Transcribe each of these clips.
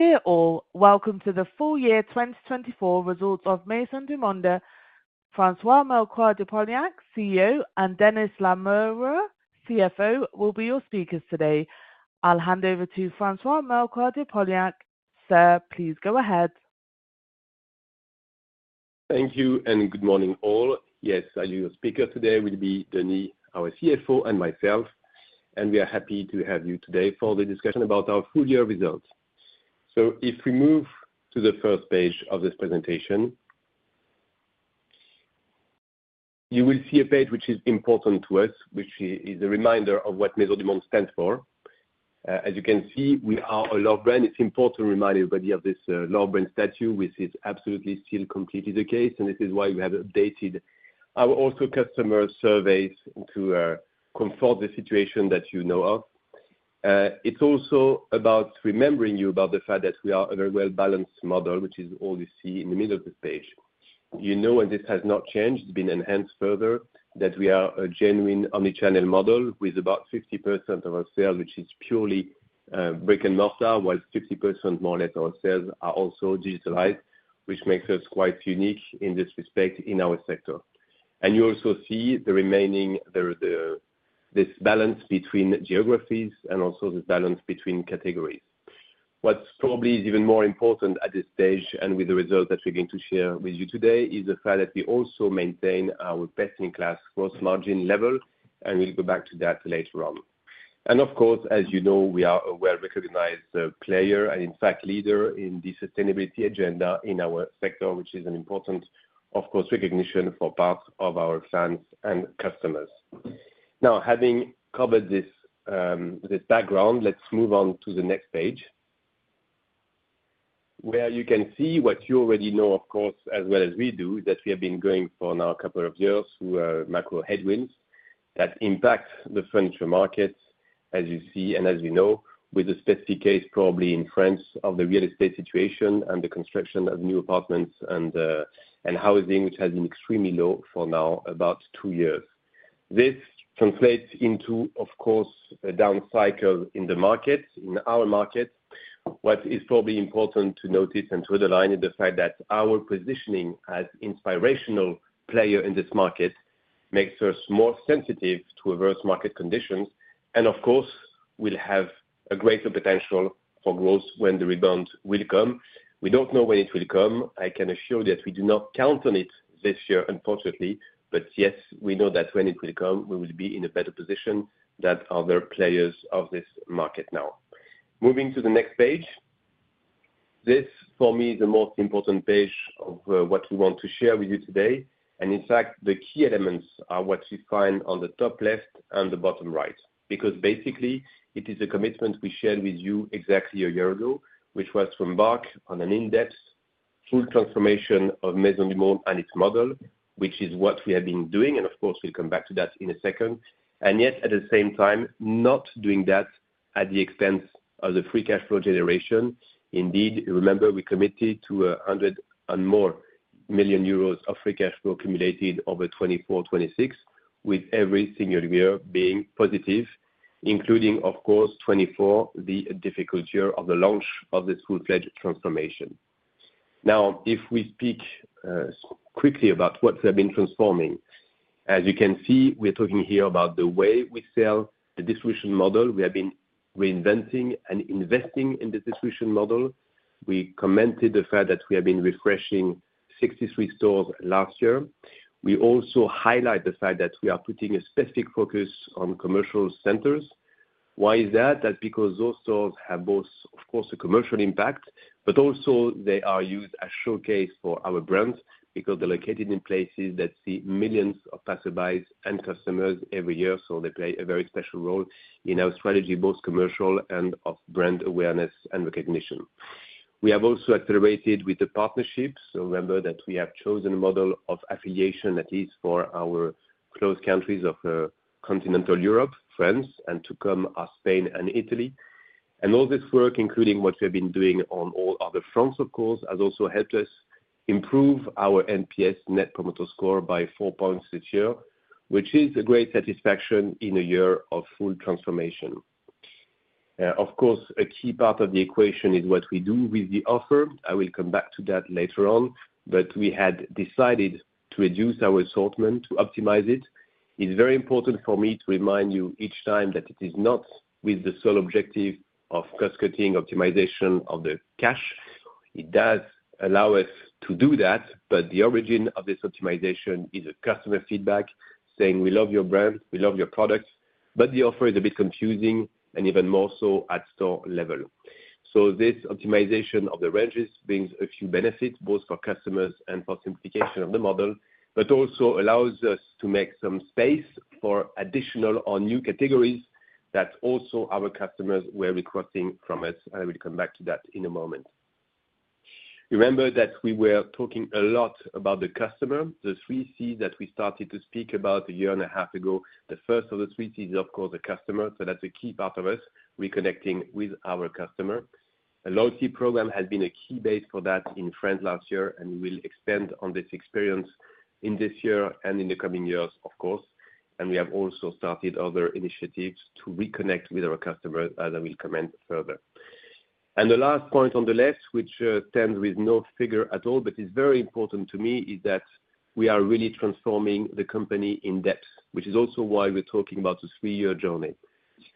Dear all, welcome to the full year 2024 results of Maisons du Monde. François-Melchior de Polignac, CEO, and Denis Lamoureux, CFO, will be your speakers today. I'll hand over to François-Melchior de Polignac. Sir, please go ahead. Thank you and good morning all. Yes, I'll be your speaker today. We'll be Denis, our CFO, and myself. We are happy to have you today for the discussion about our full year results. If we move to the first page of this presentation, you will see a page which is important to us, which is a reminder of what Maisons du Monde stands for. As you can see, we are a love brand. It's important to remind everybody of this love brand status, which is absolutely still completely the case. This is why we have updated our also customer surveys to comfort the situation that you know of. It's also about remembering you about the fact that we are a very well-balanced model, which is all you see in the middle of this page. You know, and this has not changed, it's been enhanced further, that we are a genuine omnichannel model with about 50% of our sales, which is purely brick and mortar, while 50% more or less of our sales are also digitalized, which makes us quite unique in this respect in our sector. You also see the remaining this balance between geographies and also this balance between categories. What probably is even more important at this stage and with the results that we're going to share with you today is the fact that we also maintain our best-in-class gross margin level, and we'll go back to that later on. Of course, as you know, we are a well-recognized player and in fact leader in the sustainability agenda in our sector, which is an important, of course, recognition for parts of our fans and customers. Now, having covered this background, let's move on to the next page, where you can see what you already know, of course, as well as we do, that we have been going for now a couple of years through macro headwinds that impact the furniture market, as you see and as you know, with the specific case probably in France of the real estate situation and the construction of new apartments and housing, which has been extremely low for now about two years. This translates into, of course, a down cycle in the market, in our market. What is probably important to notice and to underline is the fact that our positioning as an inspirational player in this market makes us more sensitive to adverse market conditions. Of course, we'll have a greater potential for growth when the rebound will come. We don't know when it will come. I can assure you that we do not count on it this year, unfortunately. Yes, we know that when it will come, we will be in a better position than other players of this market now. Moving to the next page, this for me is the most important page of what we want to share with you today. In fact, the key elements are what you find on the top left and the bottom right, because basically it is a commitment we shared with you exactly a year ago, which was to embark on an in-depth full transformation of Maisons du Monde and its model, which is what we have been doing. Of course, we'll come back to that in a second. Yet, at the same time, not doing that at the expense of the free cash flow generation. Indeed, remember, we committed to 100 million and more of free cash flow accumulated over 2024-2026, with every single year being positive, including, of course, 2024, the difficult year of the launch of this full-fledged transformation. Now, if we speak quickly about what we have been transforming, as you can see, we're talking here about the way we sell, the distribution model. We have been reinventing and investing in the distribution model. We commented the fact that we have been refreshing 63 stores last year. We also highlight the fact that we are putting a specific focus on commercial centers. Why is that? That's because those stores have both, of course, a commercial impact, but also they are used as showcase for our brands because they're located in places that see millions of passers-by and customers every year. They play a very special role in our strategy, both commercial and of brand awareness and recognition. We have also accelerated with the partnerships. Remember that we have chosen a model of affiliation, at least for our close countries of continental Europe, France, and to come are Spain and Italy. All this work, including what we have been doing on all other fronts, of course, has also helped us improve our NPS Net Promoter Score by 4 points this year, which is a great satisfaction in a year of full transformation. Of course, a key part of the equation is what we do with the offer. I will come back to that later on, but we had decided to reduce our assortment to optimize it. It's very important for me to remind you each time that it is not with the sole objective of cost-cutting optimization of the cash. It does allow us to do that, but the origin of this optimization is customer feedback saying, "We love your brand. We love your product," but the offer is a bit confusing and even more so at store level. This optimization of the ranges brings a few benefits both for customers and for simplification of the model, but also allows us to make some space for additional or new categories that also our customers were requesting from us. I will come back to that in a moment. Remember that we were talking a lot about the customer, the three C's that we started to speak about a year and a half ago. The first of the three C's is, of course, the customer. That is a key part of us reconnecting with our customer. A loyalty program has been a key base for that in France last year, and we will expand on this experience in this year and in the coming years, of course. We have also started other initiatives to reconnect with our customers, as I will comment further. The last point on the left, which stands with no figure at all, but is very important to me, is that we are really transforming the company in depth, which is also why we're talking about the three-year journey.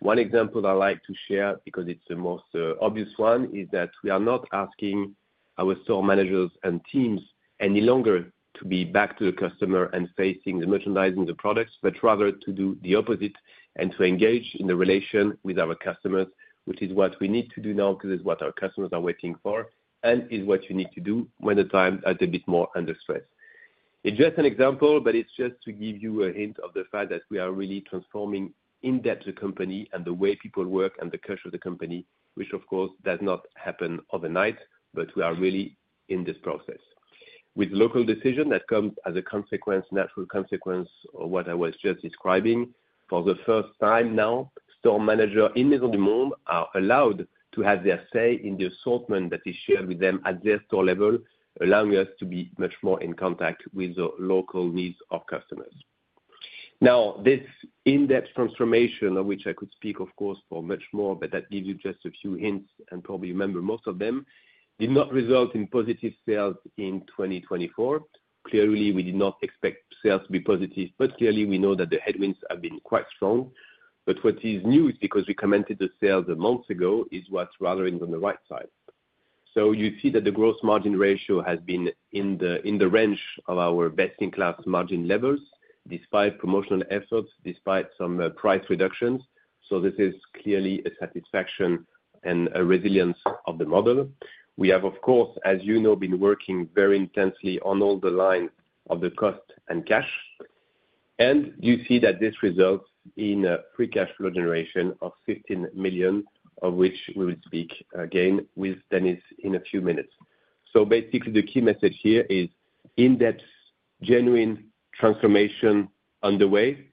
One example I like to share, because it's the most obvious one, is that we are not asking our store managers and teams any longer to be back to the customer and facing the merchandising of the products, but rather to do the opposite and to engage in the relation with our customers, which is what we need to do now because it's what our customers are waiting for and is what you need to do when the time is a bit more under stress. It's just an example, but it's just to give you a hint of the fact that we are really transforming in depth the company and the way people work and the cash of the company, which, of course, does not happen overnight, but we are really in this process. With local decision that comes as a natural consequence of what I was just describing, for the first time now, store managers in Maisons du Monde are allowed to have their say in the assortment that is shared with them at their store level, allowing us to be much more in contact with the local needs of customers. Now, this in-depth transformation, of which I could speak, of course, for much more, but that gives you just a few hints and probably remember most of them, did not result in positive sales in 2024. Clearly, we did not expect sales to be positive, but clearly we know that the headwinds have been quite strong. What is new is because we commented the sales a month ago, is what's rather on the right side. You see that the gross margin ratio has been in the range of our best-in-class margin levels, despite promotional efforts, despite some price reductions. This is clearly a satisfaction and a resilience of the model. We have, of course, as you know, been working very intensely on all the lines of the cost and cash. You see that this results in a free cash flow generation of 15 million, of which we will speak again with Denis in a few minutes. Basically, the key message here is in-depth, genuine transformation underway,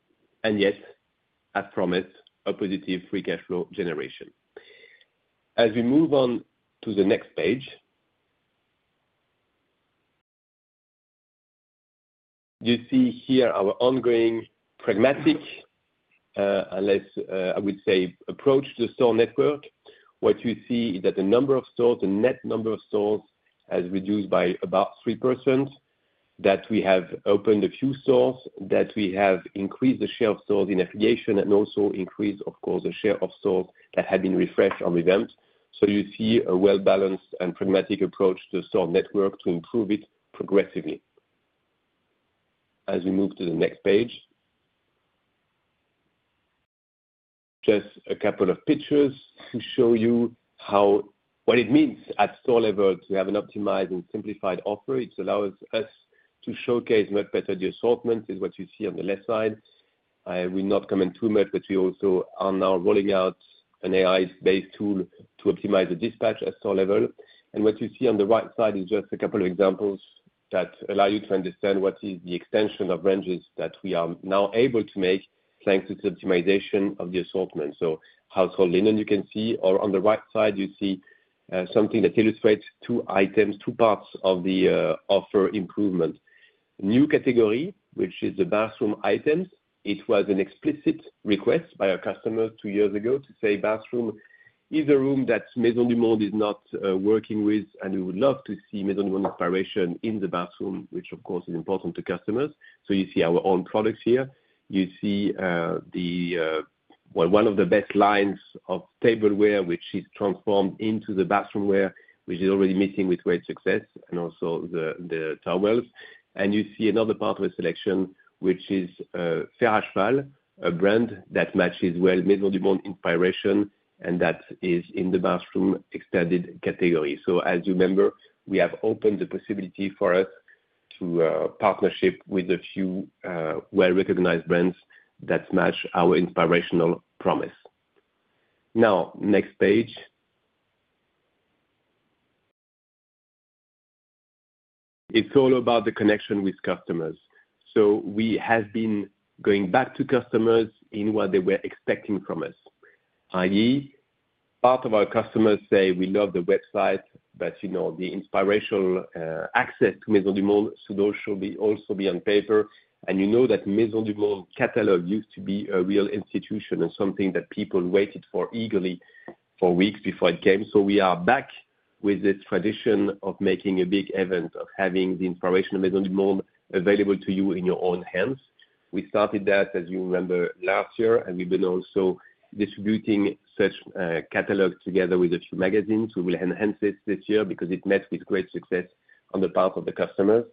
and yet, as promised, a positive free cash flow generation. As we move on to the next page, you see here our ongoing pragmatic, unless I would say, approach to the store network. What you see is that the number of stores, the net number of stores, has reduced by about 3%, that we have opened a few stores, that we have increased the share of stores in affiliation, and also increased, of course, the share of stores that have been refreshed or revamped. You see a well-balanced and pragmatic approach to the store network to improve it progressively. As we move to the next page, just a couple of pictures to show you what it means at store level to have an optimized and simplified offer. It allows us to showcase much better the assortment, is what you see on the left side. I will not comment too much, but we also are now rolling out an AI-based tool to optimize the dispatch at store level. What you see on the right side is just a couple of examples that allow you to understand what is the extension of ranges that we are now able to make thanks to the optimization of the assortment. Household linen, you can see, or on the right side, you see something that illustrates two items, two parts of the offer improvement. New category, which is the bathroom items. It was an explicit request by our customers two years ago to say bathroom is a room that Maisons du Monde is not working with, and we would love to see Maisons du Monde inspiration in the bathroom, which, of course, is important to customers. You see our own products here. You see one of the best lines of tableware, which is transformed into the bathroomware, which is already meeting with great success, and also the towels. You see another part of the selection, which is Fer à Cheval, a brand that matches well Maisons du Monde inspiration, and that is in the bathroom extended category. As you remember, we have opened the possibility for us to partnership with a few well-recognized brands that match our inspirational promise. Next page. It is all about the connection with customers. We have been going back to customers in what they were expecting from us. I.e., part of our customers say, "We love the website, but the inspirational access to Maisons du Monde should also be on paper." You know that Maisons du Monde catalog used to be a real institution and something that people waited for eagerly for weeks before it came. We are back with this tradition of making a big event, of having the inspiration of Maisons du Monde available to you in your own hands. We started that, as you remember, last year, and we've been also distributing such catalog together with a few magazines. We will enhance this this year because it met with great success on the part of the customers.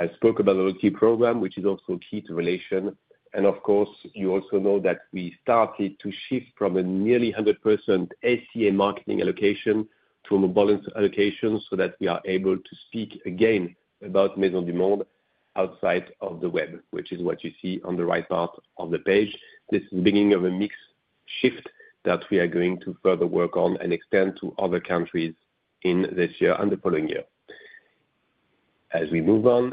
I spoke about the loyalty program, which is also a key to relation. Of course, you also know that we started to shift from a nearly 100% SEA marketing allocation to a more balanced allocation so that we are able to speak again about Maisons du Monde outside of the web, which is what you see on the right part of the page. This is the beginning of a mixed shift that we are going to further work on and extend to other countries in this year and the following year. As we move on,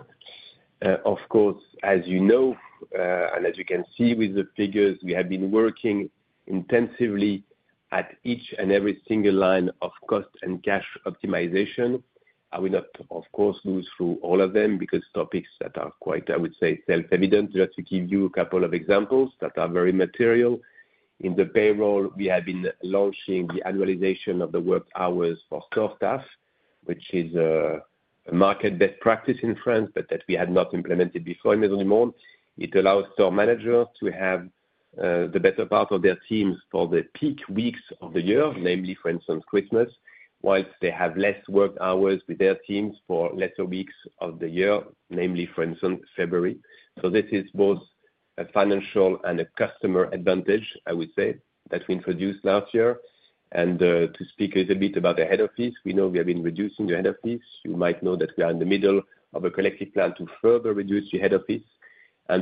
of course, as you know, and as you can see with the figures, we have been working intensively at each and every single line of cost and cash optimization. I will not, of course, go through all of them because topics that are quite, I would say, self-evident. Just to give you a couple of examples that are very material. In the payroll, we have been launching the annualization of the work hours for store staff, which is a market best practice in France, but that we had not implemented before in Maisons du Monde. It allows store managers to have the better part of their teams for the peak weeks of the year, namely, for instance, Christmas, while they have less work hours with their teams for lesser weeks of the year, namely, for instance, February. This is both a financial and a customer advantage, I would say, that we introduced last year. To speak a little bit about the head office, we know we have been reducing the head office. You might know that we are in the middle of a collective plan to further reduce the head office.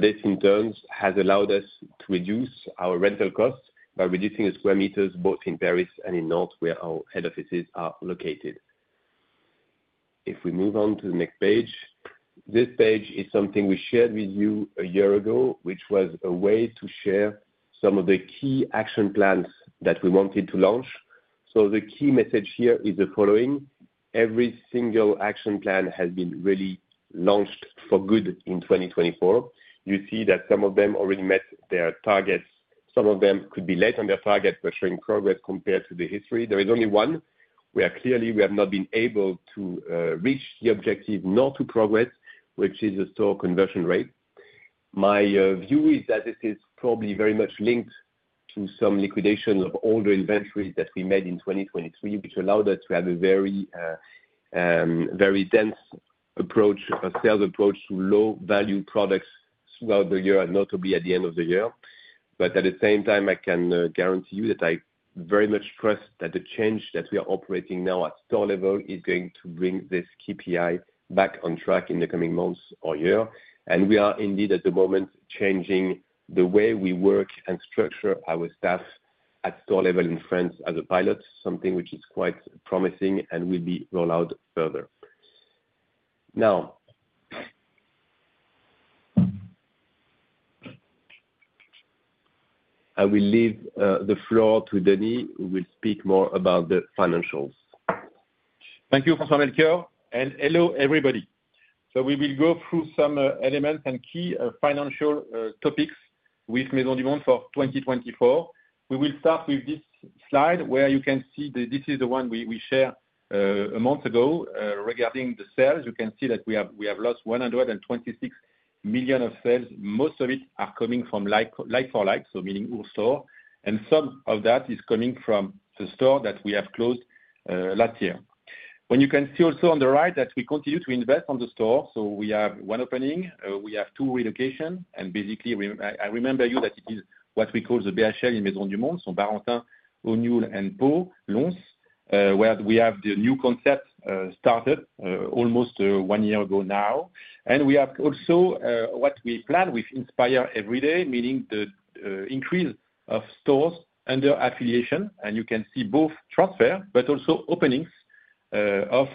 This, in turn, has allowed us to reduce our rental costs by reducing square meters both in Paris and in Nantes where our head offices are located. If we move on to the next page, this page is something we shared with you a year ago, which was a way to share some of the key action plans that we wanted to launch. The key message here is the following. Every single action plan has been really launched for good in 2024. You see that some of them already met their targets. Some of them could be late on their target, but showing progress compared to the history. There is only one. Clearly, we have not been able to reach the objective, nor to progress, which is the store conversion rate. My view is that this is probably very much linked to some liquidation of all the inventories that we made in 2023, which allowed us to have a very dense approach, a sales approach to low-value products throughout the year, notably at the end of the year. At the same time, I can guarantee you that I very much trust that the change that we are operating now at store level is going to bring this KPI back on track in the coming months or year. We are indeed, at the moment, changing the way we work and structure our staff at store level in France as a pilot, something which is quite promising and will be rolled out further. Now, I will leave the floor to Denis, who will speak more about the financials. Thank you, François-Melchior. Hello, everybody. We will go through some elements and key financial topics with Maisons du Monde for 2024. We will start with this slide where you can see that this is the one we shared a month ago regarding the sales. You can see that we have lost 126 million of sales. Most of it is coming from like-for-like, so meaning wholesale, and some of that is coming from the store that we have closed last year. You can also see on the right that we continue to invest in the store. We have one opening, we have two relocations, and basically, I remind you that it is what we call the BAL in Maisons du Monde, so Barentin, Aulnoy, and Pau Lons, where we have the new concept started almost one year ago now. We have also what we plan with Inspire Everyday, meaning the increase of stores under affiliation. You can see both transfer, but also openings of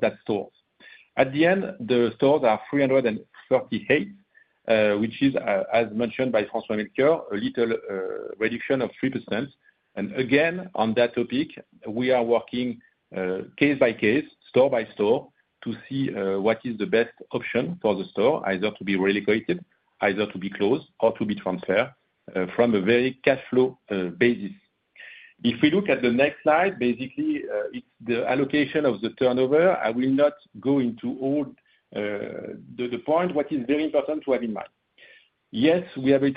that store. At the end, the stores are 338, which is, as mentioned by François-Melchior, a little reduction of 3%. Again, on that topic, we are working case by case, store by store, to see what is the best option for the store, either to be relocated, either to be closed, or to be transferred from a very cash flow basis. If we look at the next slide, basically, it is the allocation of the turnover. I will not go into all the points. What is very important to have in mind? Yes, we have a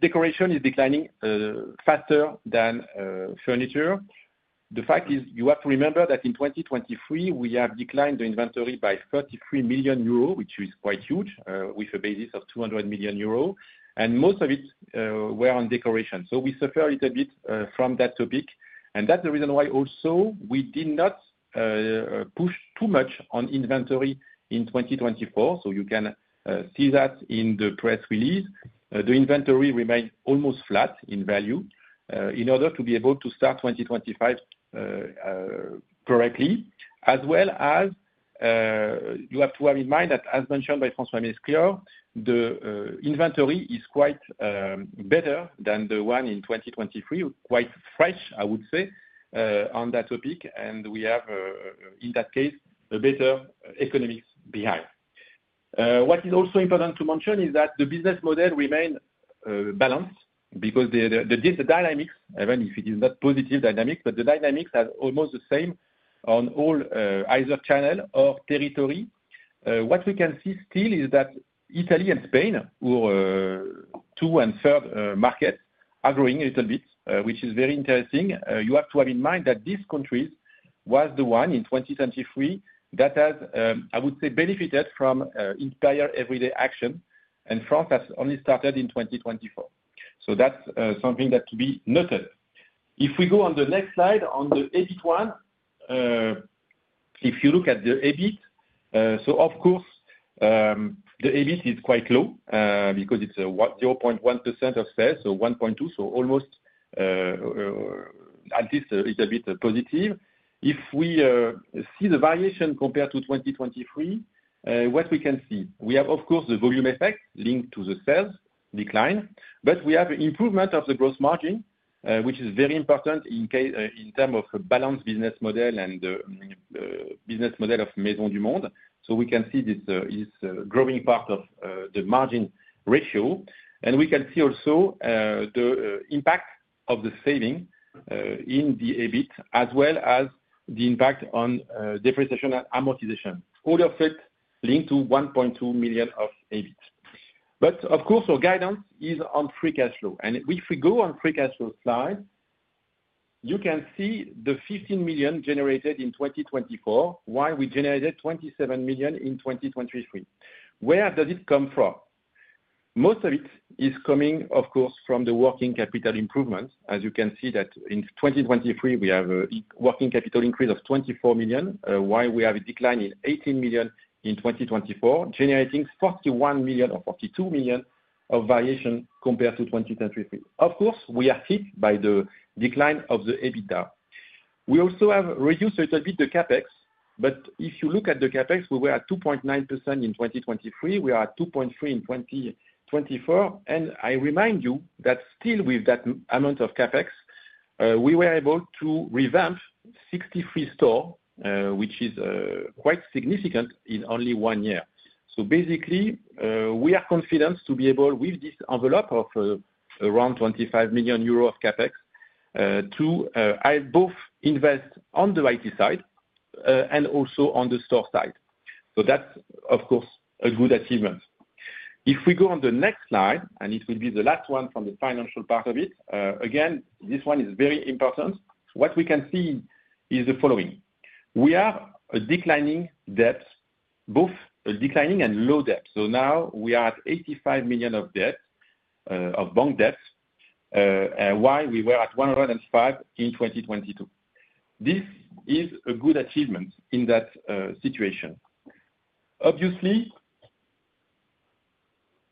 decoration is declining faster than furniture. The fact is you have to remember that in 2023, we have declined the inventory by 33 million euro, which is quite huge, with a basis of 200 million euro, and most of it were on decoration. We suffer a little bit from that topic. That is the reason why also we did not push too much on inventory in 2024. You can see that in the press release. The inventory remained almost flat in value in order to be able to start 2025 correctly, as well as you have to have in mind that, as mentioned by François-Melchior, the inventory is quite better than the one in 2023, quite fresh, I would say, on that topic. We have, in that case, a better economics behind. What is also important to mention is that the business model remained balanced because the dynamics, even if it is not positive dynamics, but the dynamics are almost the same on all either channel or territory. What we can see still is that Italy and Spain, our two and third markets, are growing a little bit, which is very interesting. You have to have in mind that these countries were the ones in 2023 that have, I would say, benefited from Inspire Everyday action, and France has only started in 2024. That is something that could be noted. If we go on the next slide, on the EBIT one, if you look at the EBIT, of course, the EBIT is quite low because it is 0.1% of sales, so 1.2 million, so almost at least a little bit positive. If we see the variation compared to 2023, what we can see, we have, of course, the volume effect linked to the sales decline, but we have improvement of the gross margin, which is very important in terms of a balanced business model and business model of Maisons du Monde. We can see this growing part of the margin ratio. We can see also the impact of the saving in the EBIT, as well as the impact on depreciation and amortization, all of it linked to 1.2 million of EBIT. Of course, our guidance is on free cash flow. If we go on the free cash flow slide, you can see the 15 million generated in 2024, while we generated 27 million in 2023. Where does it come from? Most of it is coming, of course, from the working capital improvements. As you can see that in 2023, we have a working capital increase of 24 million, while we have a decline of 18 million in 2024, generating 41 million or 42 million of variation compared to 2023. Of course, we are hit by the decline of the EBITDA. We also have reduced a little bit the CapEx, but if you look at the CapEx, we were at 2.9% in 2023. We are at 2.3% in 2024. I remind you that still, with that amount of CapEx, we were able to revamp 63 stores, which is quite significant in only one year. Basically, we are confident to be able, with this envelope of around 25 million euros of CapEx, to both invest on the IT side and also on the store side. That is, of course, a good achievement. If we go on the next slide, and it will be the last one from the financial part of it, again, this one is very important. What we can see is the following. We are declining debts, both declining and low debts. Now we are at 85 million of debt, of bank debt, while we were at 105 million in 2022. This is a good achievement in that situation. Obviously,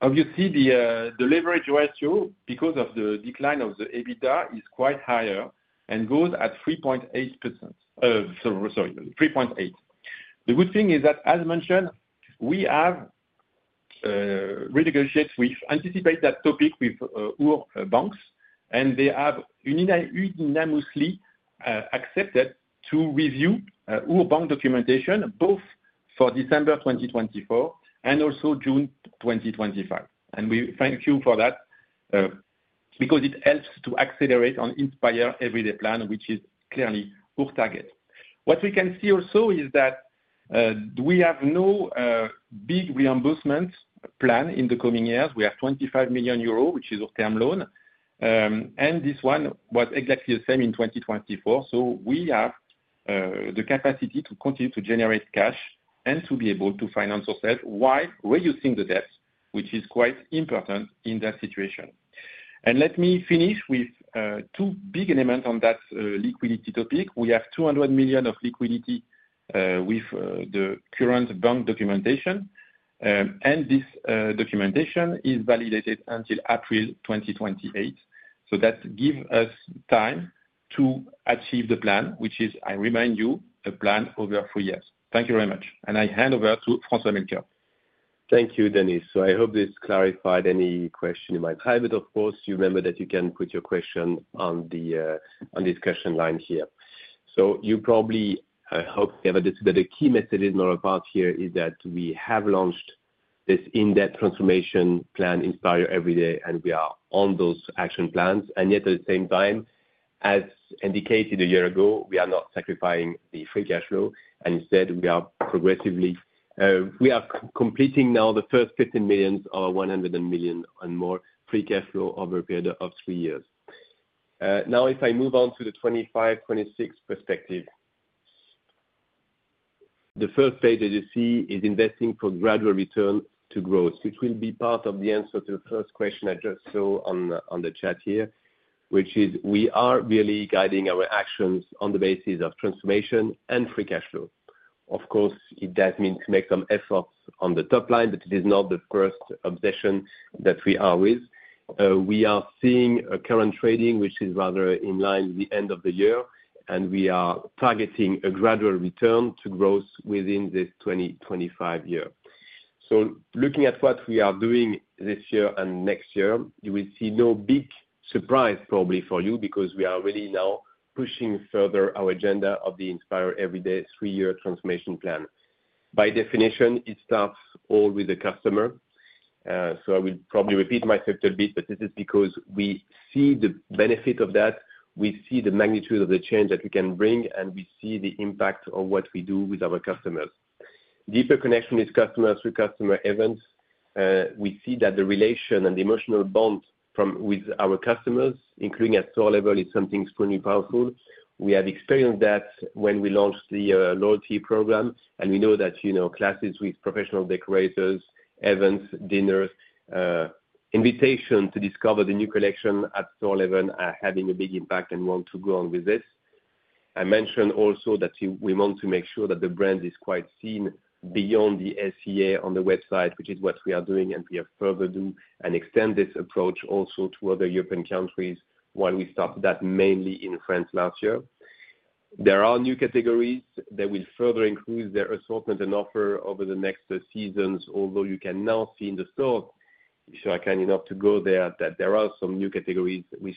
the leverage ratio, because of the decline of the EBITDA, is quite higher and goes at 3.8. Sorry, 3.8. The good thing is that, as mentioned, we have renegotiated with, anticipated that topic with our banks, and they have unanimously accepted to review our bank documentation, both for December 2024 and also June 2025. We thank you for that because it helps to accelerate on Inspire Everyday plan, which is clearly our target. What we can see also is that we have no big reimbursement plan in the coming years. We have 25 million euros, which is our term loan. This one was exactly the same in 2024. We have the capacity to continue to generate cash and to be able to finance ourselves while reducing the debt, which is quite important in that situation. Let me finish with two big elements on that liquidity topic. We have 200 million of liquidity with the current bank documentation. This documentation is validated until April 2028. That gives us time to achieve the plan, which is, I remind you, a plan over four years. Thank you very much. I hand over to François-Melchior. Thank you, Denis. I hope this clarified any question you might have. Of course, you remember that you can put your question on this question line here. You probably hope that the key message in all parts here is that we have launched this in-depth transformation plan, Inspire Everyday, and we are on those action plans. Yet, at the same time, as indicated a year ago, we are not sacrificing the free cash flow. Instead, we are progressively completing now the first 15 million or 100 million and more free cash flow over a period of three years. If I move on to the 2025-2026 perspective, the first page that you see is investing for gradual return to growth, which will be part of the answer to the first question I just saw on the chat here, which is we are really guiding our actions on the basis of transformation and free cash flow. Of course, it does mean to make some efforts on the top line, but it is not the first obsession that we are with. We are seeing current trading, which is rather in line with the end of the year, and we are targeting a gradual return to growth within this 2025 year. Looking at what we are doing this year and next year, you will see no big surprise probably for you because we are really now pushing further our agenda of the Inspire Everyday three-year transformation plan. By definition, it starts all with the customer. I will probably repeat myself a little bit, but this is because we see the benefit of that. We see the magnitude of the change that we can bring, and we see the impact of what we do with our customers. Deeper connection with customers, through customer events. We see that the relation and the emotional bond with our customers, including at store level, is something extremely powerful. We have experienced that when we launched the loyalty program, and we know that classes with professional decorators, events, dinners, invitations to discover the new collection at store level are having a big impact and want to go on with this. I mentioned also that we want to make sure that the brand is quite seen beyond the SEA on the website, which is what we are doing, and we have further to extend this approach also to other European countries while we started that mainly in France last year. There are new categories that will further increase their assortment and offer over the next seasons, although you can now see in the store, if you are kind enough to go there, that there are some new categories. We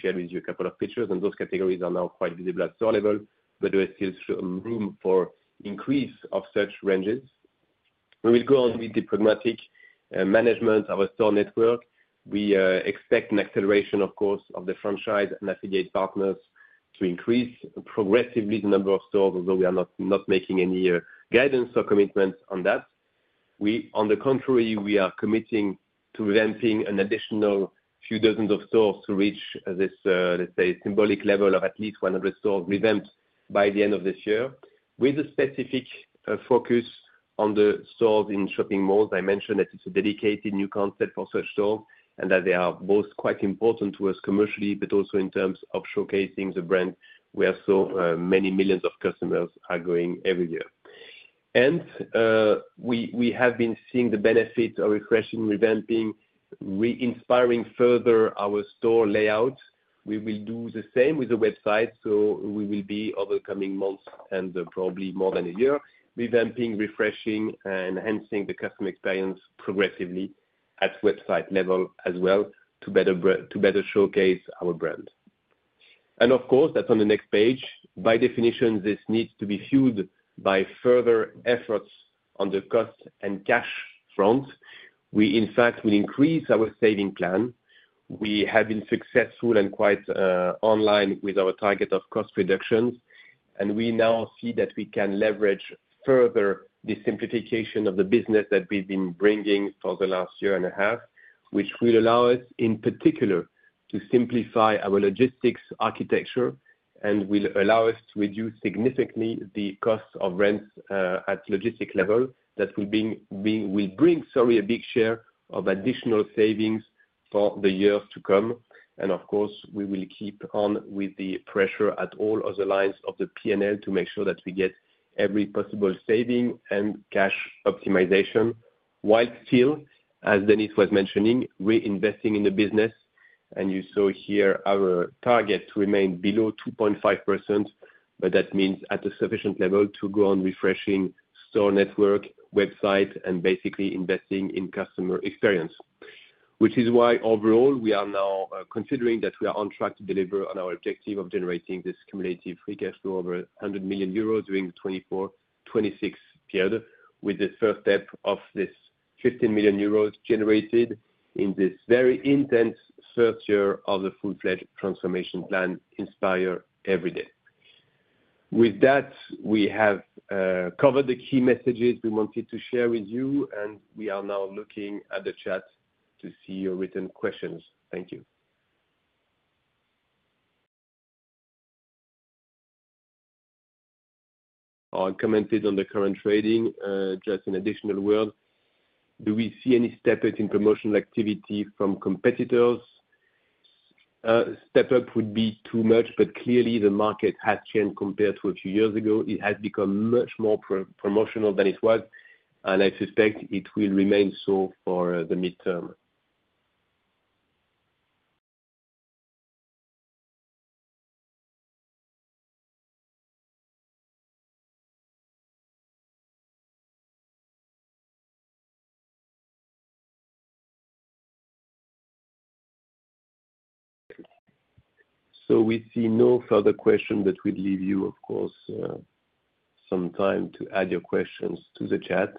shared with you a couple of pictures, and those categories are now quite visible at store level, but there is still room for increase of such ranges. We will go on with the pragmatic management of a store network. We expect an acceleration, of course, of the franchise and affiliate partners to increase progressively the number of stores, although we are not making any guidance or commitments on that. On the contrary, we are committing to revamping an additional few dozens of stores to reach this, let's say, symbolic level of at least 100 stores revamped by the end of this year, with a specific focus on the stores in shopping malls. I mentioned that it's a dedicated new concept for such stores and that they are both quite important to us commercially, but also in terms of showcasing the brand where so many millions of customers are going every year. We have been seeing the benefit of refreshing, revamping, reinspiring further our store layout. We will do the same with the website. We will be, over the coming months and probably more than a year, revamping, refreshing, and enhancing the customer experience progressively at website level as well to better showcase our brand. Of course, that's on the next page. By definition, this needs to be fueled by further efforts on the cost and cash front. We, in fact, will increase our saving plan. We have been successful and quite online with our target of cost reductions. We now see that we can leverage further the simplification of the business that we've been bringing for the last year and a half, which will allow us, in particular, to simplify our logistics architecture and will allow us to reduce significantly the cost of rents at logistics level. That will bring, sorry, a big share of additional savings for the years to come. Of course, we will keep on with the pressure at all other lines of the P&L to make sure that we get every possible saving and cash optimization while still, as Denis was mentioning, reinvesting in the business. You saw here our target to remain below 2.5%, but that means at a sufficient level to go on refreshing store network, website, and basically investing in customer experience, which is why overall we are now considering that we are on track to deliver on our objective of generating this cumulative free cash flow over 100 million euros during the 2024-2026 period, with the first step of this 15 million euros generated in this very intense first year of the full-fledged transformation plan, Inspire Everyday. With that, we have covered the key messages we wanted to share with you, and we are now looking at the chat to see your written questions. Thank you. I'll comment on the current trading. Just an additional word. Do we see any step-up in promotional activity from competitors? Step-up would be too much, but clearly, the market has changed compared to a few years ago. It has become much more promotional than it was, and I suspect it will remain so for the midterm. We see no further questions, but we'd leave you, of course, some time to add your questions to the chat.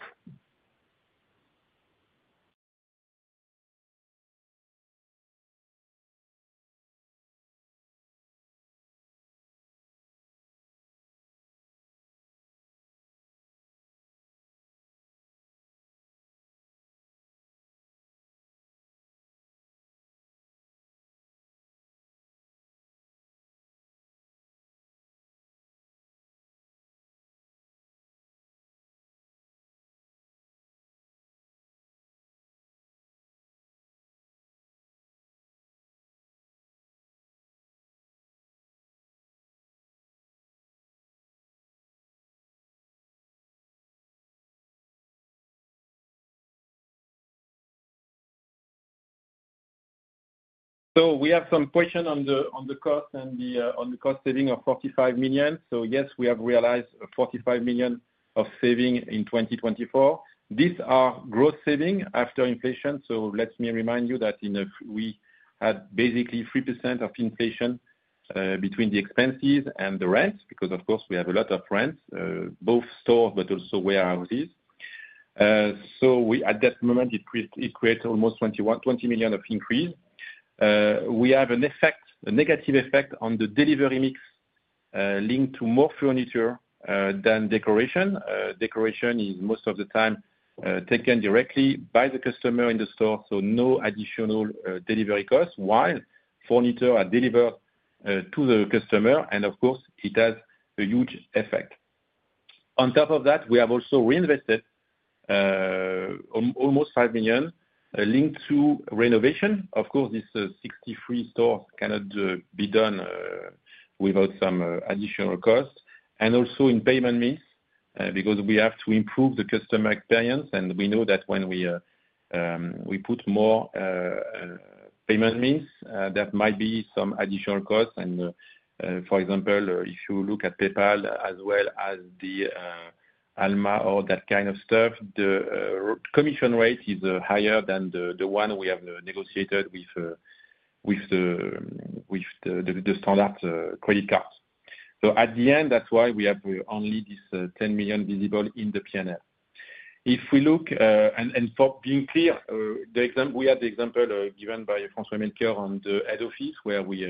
We have some questions on the cost and on the cost saving of 45 million. Yes, we have realized 45 million of saving in 2024. These are gross savings after inflation. Let me remind you that we had basically 3% of inflation between the expenses and the rents because, of course, we have a lot of rents, both stores but also warehouses. At that moment, it creates almost 20 million of increase. We have a negative effect on the delivery mix linked to more furniture than decoration. Decoration is most of the time taken directly by the customer in the store, so no additional delivery costs, while furniture are delivered to the customer. It has a huge effect. On top of that, we have also reinvested almost 5 million linked to renovation. These 63 stores cannot be done without some additional costs. Also in payment means because we have to improve the customer experience. We know that when we put more payment means, there might be some additional costs. For example, if you look at PayPal as well as Alma or that kind of stuff, the commission rate is higher than the one we have negotiated with the standard credit cards. At the end, that is why we have only this 10 million visible in the P&L. If we look, and for being clear, we had the example given by François-Melchior on the head office where we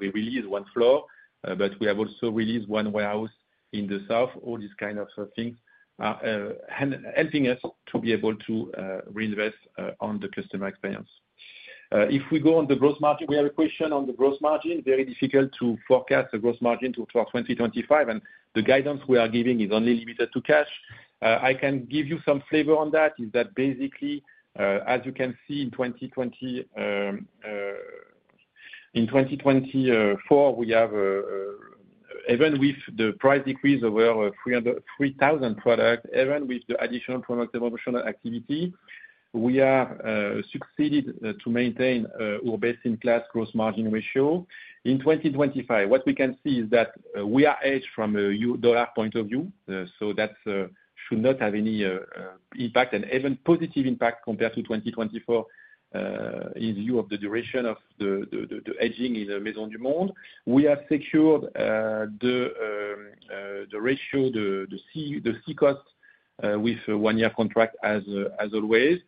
released one floor, but we have also released one warehouse in the south. All these kinds of things are helping us to be able to reinvest on the customer experience. If we go on the gross margin, we have a question on the gross margin. Very difficult to forecast the gross margin for 2025, and the guidance we are giving is only limited to cash. I can give you some flavor on that. Is that basically, as you can see, in 2024, we have, even with the price decrease over 3,000 products, even with the additional promotional activity, we have succeeded to maintain our best-in-class gross margin ratio. In 2025, what we can see is that we are hedged from a dollar point of view. That should not have any impact and even positive impact compared to 2024 in view of the duration of the hedging in Maisons du Monde. We have secured the ratio, the sea cost with one-year contract as always.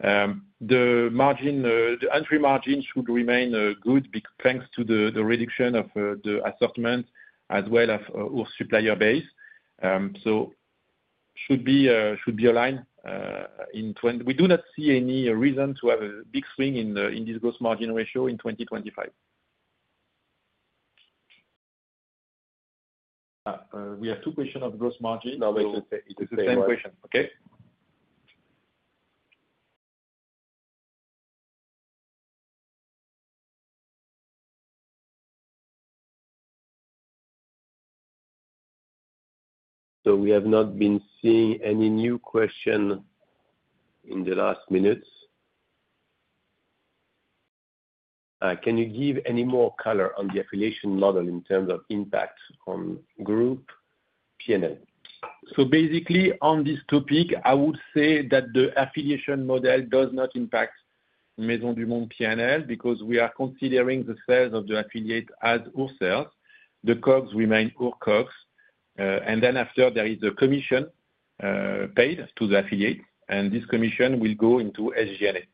The entry margin should remain good thanks to the reduction of the assortment as well as our supplier base. Should be aligned. We do not see any reason to have a big swing in this gross margin ratio in 2025. We have two questions on gross margin. No, it's the same question. Okay. We have not been seeing any new question in the last minutes. Can you give any more color on the affiliation model in terms of impact on group P&L? Basically, on this topic, I would say that the affiliation model does not impact Maisons du Monde P&L because we are considering the sales of the affiliate as our sales. The COGS remain our COGS. After, there is a commission paid to the affiliate, and this commission will go into SG&A.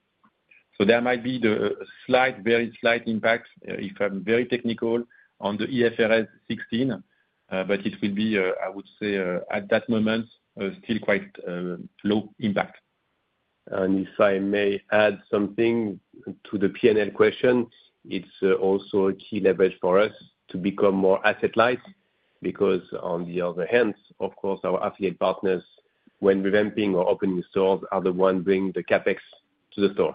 There might be a very slight impact, if I'm very technical, on the IFRS 16, but it will be, I would say, at that moment, still quite low impact. If I may add something to the P&L question, it's also a key leverage for us to become more asset-light because, on the other hand, of course, our affiliate partners, when revamping or opening stores, are the ones bringing the CapEx to the store.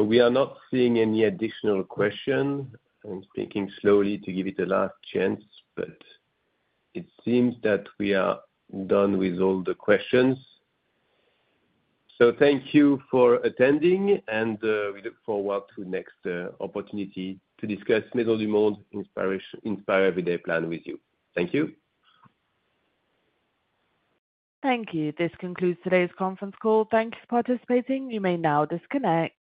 We are not seeing any additional questions. I'm speaking slowly to give it a last chance, but it seems that we are done with all the questions. Thank you for attending, and we look forward to the next opportunity to discuss Maisons du Monde Inspire Everyday plan with you. Thank you. Thank you. This concludes today's conference call. Thanks for participating. You may now disconnect.